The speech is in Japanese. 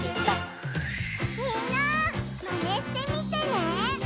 みんなマネしてみてね！